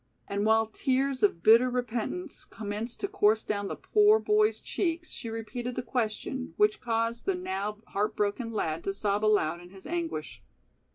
And while tears of bitter repentance commenced to course down the poor boy's cheeks she repeated the question, which caused the now heart broken lad to sob aloud in his anguish.